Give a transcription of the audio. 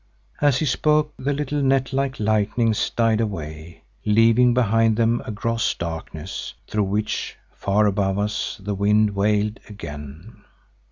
As he spoke the little net like lightnings died away, leaving behind them a gross darkness through which, far above us, the wind wailed again.